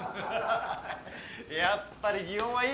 やっぱり祇園はいいね。